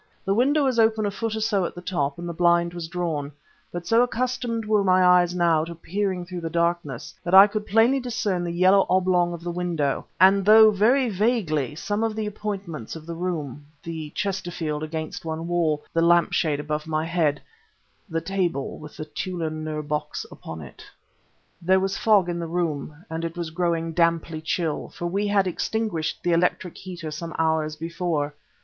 The window was open a foot or so at the top and the blind was drawn; but so accustomed were my eyes now to peering through the darkness, that I could plainly discern the yellow oblong of the window, and though very vaguely, some of the appointments of the room the Chesterfield against one wall, the lamp shade above my head, the table with the Tûlun Nûr box upon it. There was fog in the room, and it was growing damply chill, for we had extinguished the electric heater some hours before.